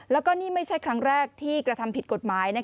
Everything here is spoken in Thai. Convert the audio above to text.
แล้วก็นี่ไม่ใช่ครั้งแรกที่กระทำผิดกฎหมาย